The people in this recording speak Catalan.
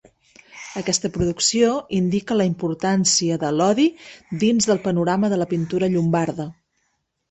Aquesta producció indica la importància de Lodi dins del panorama de la pintura llombarda.